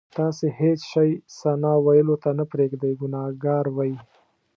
تاسې هېڅ شی ثنا ویلو ته نه پرېږدئ ګناهګار وئ.